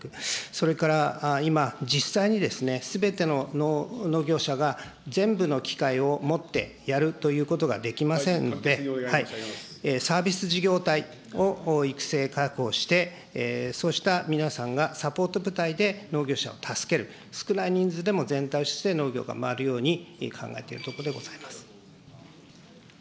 それから、今、実際にですね、すべての農業者が全部の機械を持ってやるということができませんので、サービス事業体を育成確保して、そうした皆さんがサポート部隊で農業者を助ける、少ない人数でも、全体として農業が回るように考えているところでございます。